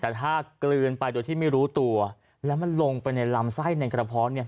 แต่ถ้ากลืนไปโดยที่ไม่รู้ตัวแล้วมันลงไปในลำไส้ในกระเพาะเนี่ย